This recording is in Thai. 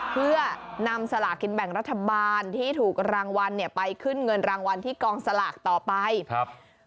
เพื่อนำสลากกินแบ่งรัฐบาลที่ถูกรางวัลเนี่ยไปขึ้นเงินรางวัลที่กองสลากต่อไปครับ